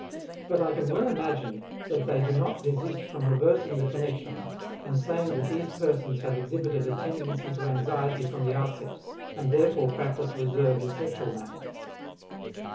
But I can well imagine that they do not desist from reversing the connection and saying that these persons have exhibited a tendency to anxiety from the outset and therefore practice reserve in sexual matters.